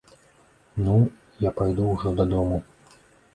Ну, я пайду ўжо дадому.